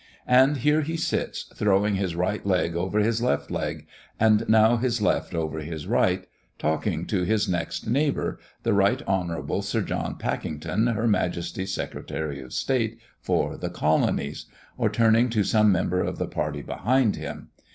And there he sits, throwing his right leg over his left and now his left over his right, talking to his next neighbour, the Right Honourable Sir John Pakington, her Majesty's Secretary of State for the Colonies, or turning to some member of the party behind him.